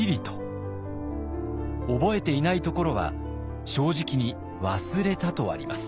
覚えていないところは正直に「ワスレタ」とあります。